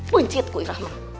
pencit ku irahmu